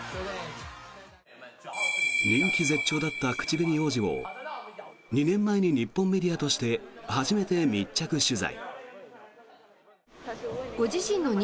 人気絶頂だった口紅王子を２年前に日本メディアとして初めて密着取材。